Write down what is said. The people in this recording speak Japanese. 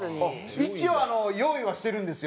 一応用意はしてるんですよ